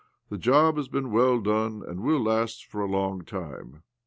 The job has been well done, and will last for a long time."